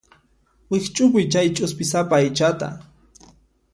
Wikch'upuy chay ch'uspisapa aychata.